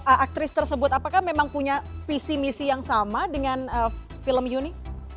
aktris tersebut apakah memang punya visi misi yang sama dengan film yuni